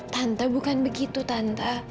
tante bukan begitu tante